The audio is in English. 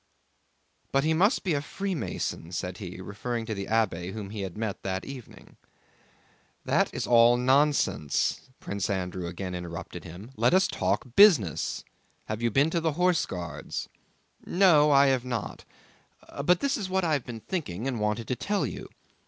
"But he must be a Freemason," said he, referring to the abbé whom he had met that evening. "That is all nonsense." Prince Andrew again interrupted him, "let us talk business. Have you been to the Horse Guards?" "No, I have not; but this is what I have been thinking and wanted to tell you.